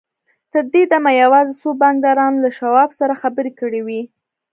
تر دې دمه يوازې څو بانکدارانو له شواب سره خبرې کړې وې.